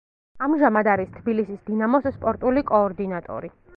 ამჟამად არის თბილისის „დინამოს“ სპორტული კოორდინატორი.